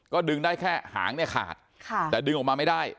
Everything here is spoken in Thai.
ก็ดึงได้แค่หางเนี่ยขาดแต่ดึงออกมาไม่ได้